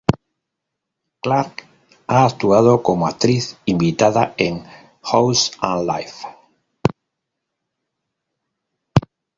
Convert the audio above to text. Clarke ha actuado como actriz invitada en "House and Life".